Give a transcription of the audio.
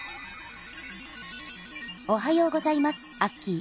おはようございますアッキー。